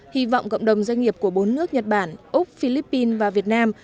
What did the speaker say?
hy vọng cộng đồng doanh nghiệp của bốn nước nhật bản úc philippines và việt nam